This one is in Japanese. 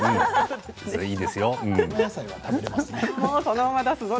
いいですよ。